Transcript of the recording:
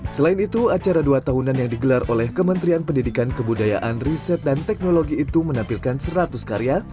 selain itu acara dua tahunan yang digelar oleh kementerian pendidikan kebudayaan riset dan teknologi itu menampilkan seratus karya